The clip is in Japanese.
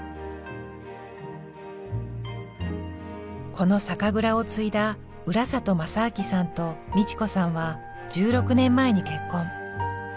この酒蔵を継いだ浦里昌明さんと美智子さんは１６年前に結婚。